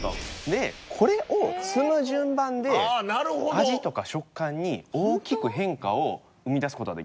でこれを積む順番で味とか食感に大きく変化を生み出す事ができます。